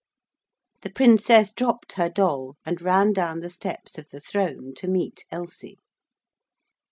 The Princess dropped her doll and ran down the steps of the throne to meet Elsie.